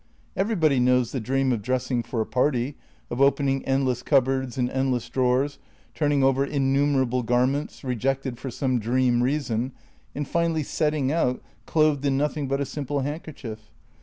Everybody knows the dream of dressing for a party, of opening endless cupboards and endless drawers, turning over innumerable garments, rejected for some dream reason, and finally setting out, clothed in noth ing but a simple handkerchief.